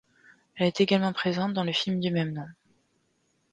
Elle est également présente dans le film du même nom.